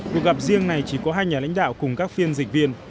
cuộc gặp riêng này chỉ có hai nhà lãnh đạo cùng các phiên dịch viên